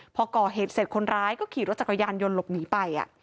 พอก่อเหตุเสร็จคนร้ายก็ขี่รถจักรยานยนต์หลบหนีไป